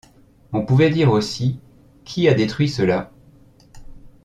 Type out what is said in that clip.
On pouvait dire aussi: qui a détruit cela?